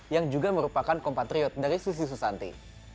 yang juga merupakan kompatriot dari susi susanti